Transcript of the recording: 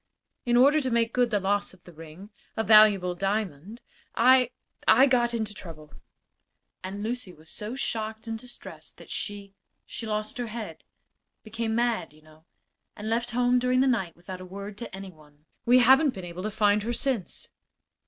In order to make good the loss of the ring, a valuable diamond I I got into trouble, and Lucy was so shocked and distressed that she she lost her head became mad, you know and left home during the night without a word to any one. We haven't been able to find her since."